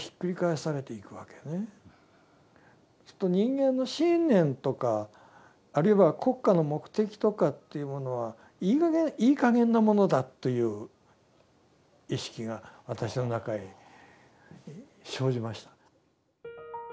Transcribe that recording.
すると人間の信念とかあるいは国家の目的とかというものはいいかげんなものだという意識が私の中に生じました。